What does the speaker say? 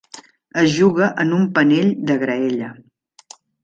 Es juga en un panell de graella.